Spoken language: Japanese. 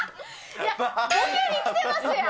いや、ぼけにきてますやん！